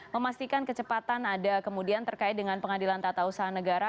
memastikan kecepatan ada kemudian terkait dengan pengadilan tata usaha negara